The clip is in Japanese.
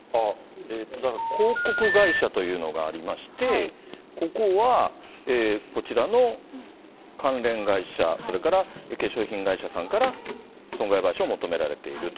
だから広告会社というのがありまして、ここは、こちらの関連会社、それから化粧品会社さんから損害賠償を求められていると。